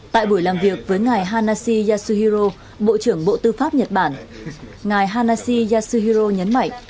tại buổi làm việc với ngài hanashi yasuhiro bộ trưởng bộ tư pháp nhật bản ngài hanashi yasuhiro nhấn mạnh